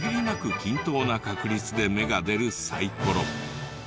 均等な確率で目が出るサイコロ。